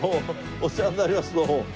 お世話になりますどうも。